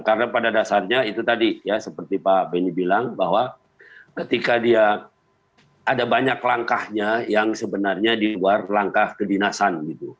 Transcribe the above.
karena pada dasarnya itu tadi ya seperti pak benny bilang bahwa ketika dia ada banyak langkahnya yang sebenarnya di luar langkah kedinasan gitu